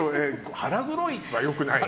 腹黒いは良くないね。